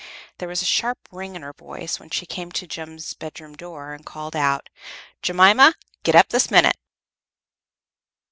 There was a sharp ring in her voice when she came to Jem's bedroom door and called out, "Jemima, get up this minute!"